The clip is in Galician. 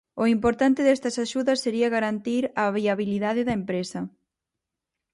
O importante destas axudas sería garantir a viabilidade da empresa.